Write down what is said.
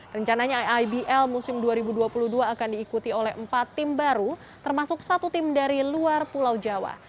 rencananya ibl musim dua ribu dua puluh dua akan diikuti oleh empat tim baru termasuk satu tim dari luar pulau jawa